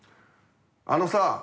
あのさ！